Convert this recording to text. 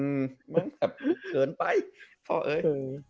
มันแบบเกินไปพอเอ๊ย